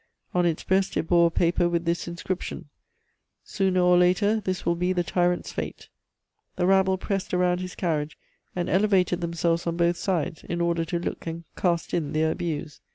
On its breast it bore a paper with this inscription: [Sidenote: Napoleon insulted.] "'Sooner or later this will be the Tyrant's fate.' "The rabble pressed around his carriage, and elevated themselves on both sides in order to look and cast in their abuse.